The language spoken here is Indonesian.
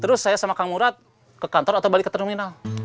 terus saya sama kang murad ke kantor atau balik ke terminal